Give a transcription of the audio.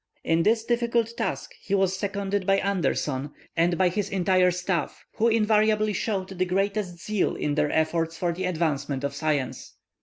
In this difficult task he was seconded by Anderson, and by his entire staff, who invariably showed the greatest zeal in their efforts for the advancement of science.